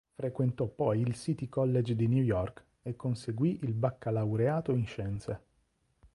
Frequentò poi il City College di New York e conseguì il baccalaureato in scienze.